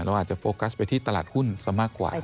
เราอาจจะโฟกัสไปที่ตลาดหุ้นซะมากกว่า